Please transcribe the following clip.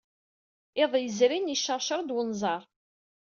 Iḍ yezrin, yecceṛceṛ-d wenẓar.